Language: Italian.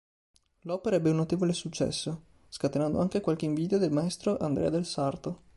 L'opera ebbe un notevole successo, scatenando anche qualche invidia del maestro Andrea del Sarto.